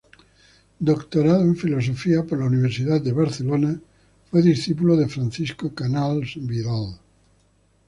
Doctorado en Filosofía por la Universidad de Barcelona, Fue discípulo de Francisco Canals Vidal.